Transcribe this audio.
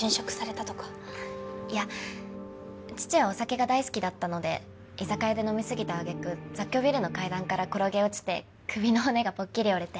いや義父はお酒が大好きだったので居酒屋で飲みすぎた揚げ句雑居ビルの階段から転げ落ちて首の骨がポッキリ折れて。